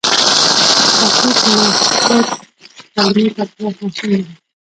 ترکیب نسبت کلیمې ته پراخ مفهوم لري